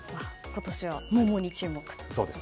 今年は桃に注目と。